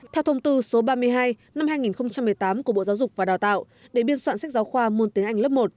theo thông tư số ba mươi hai năm hai nghìn một mươi tám của bộ giáo dục và đào tạo để biên soạn sách giáo khoa môn tiếng anh lớp một